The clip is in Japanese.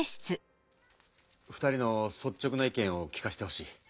２人のそっちょくな意見を聞かしてほしい。